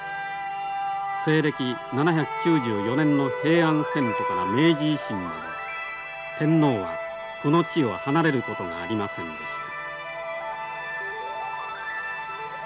西暦７９４年の平安遷都から明治維新まで天皇はこの地を離れることがありませんでした。